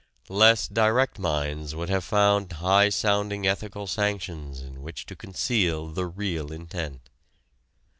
Less direct minds would have found high sounding ethical sanctions in which to conceal the real intent.